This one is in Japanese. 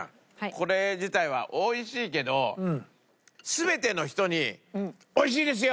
これ自体はおいしいけど全ての人に「おいしいですよ！」っていう感じではないね